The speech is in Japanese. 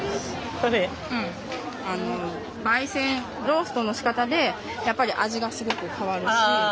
焙煎ローストのしかたでやっぱり味がすごく変わるし。